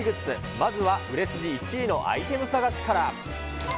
まずは売れ筋１位のアイテム探しから。